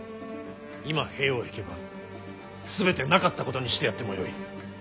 今兵を引けば全てなかったことにしてやってもよい。